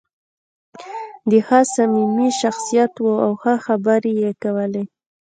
دی ښه صمیمي شخصیت و او ښه خبرې یې کولې.